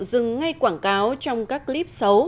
dừng ngay quảng cáo trong các clip xấu